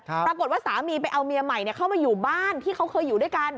ปรากฏว่าสามีไปเอาเมียใหม่เข้ามาอยู่บ้านที่เขาเคยอยู่ด้วยกัน